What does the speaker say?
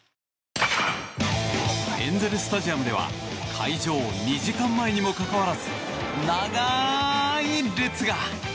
エンゼル・スタジアムでは開場２時間前にもかかわらず長い列が。